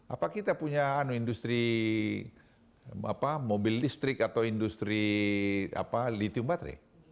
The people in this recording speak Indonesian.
apa kita punya industri mobil listrik atau industri lithium baterai